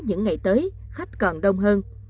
những ngày tới khách còn đông hơn